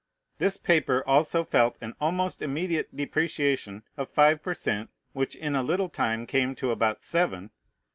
This paper also felt an almost immediate depreciation of five per cent, which in a little time came to about seven.